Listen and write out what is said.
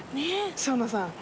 生野さん。